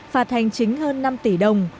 phạt hành chính hơn năm tỷ đồng